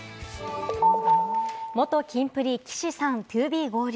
元キンプリ・岸さん、ＴＯＢＥ合流。